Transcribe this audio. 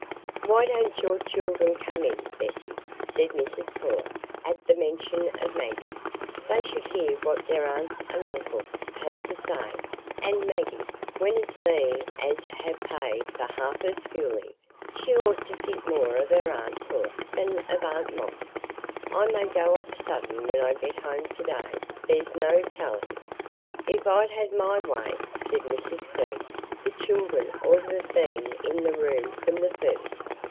"Why don't your children come in, Bessy?" said Mrs Pullet, at the mention of Maggie. "They should hear what their aunts and uncles have got to say; and Maggie,—when it's me as have paid for half her schooling, she ought to think more of her aunt Pullet than of aunt Moss. I may go off sudden when I get home to day; there's no telling." "If I'd had my way," said Mrs Glegg, "the children 'ud ha' been in the room from the first.